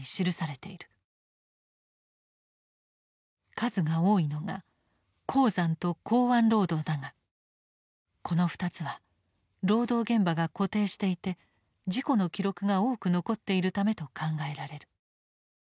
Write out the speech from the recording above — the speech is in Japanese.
数が多いのが鉱山と港湾労働だがこの２つは労働現場が固定していて事故の記録が多く残っているためと考えられる。